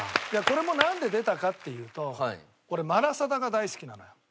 いやこれもなんで出たかっていうと俺マラサダが大好きなのよ。